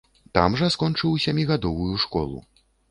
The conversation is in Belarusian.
Там жа скончыў сямігадовую школу.